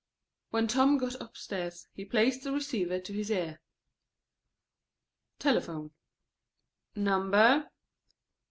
When Tom got upstairs, he placed the receiver to his ear. Telephone: ("Number?")